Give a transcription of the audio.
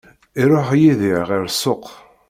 Iruḥ Yidir ɣer ssuq.